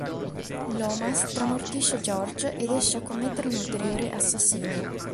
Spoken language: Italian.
Lomas tramortisce George ed esce a commettere un ulteriore assassinio.